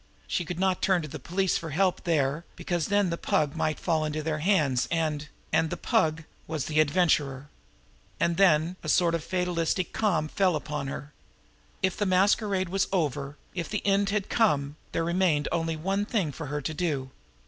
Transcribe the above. She could not turn to the police for help there, because then the Pug might fall into their hands, and and the Pug was was the Adventurer. And then a sort of fatalistic calm fell upon her. If the masquerade was over, if the end had come, there remained only one thing for her to do.